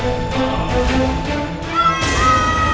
ada masih takut